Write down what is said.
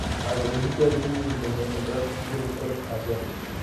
Al principio, Disney intentó encontrar un director asiático.